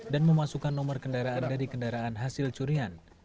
dan memasukkan nomor kendaraan dari kendaraan hasil curian